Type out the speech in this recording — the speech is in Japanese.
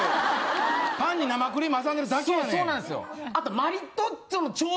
パンに生クリーム挟んでるだけやねん。